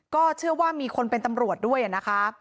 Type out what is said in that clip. ก็เชื่อว่ามีคนเป็นตำรวจด้วยนะคะ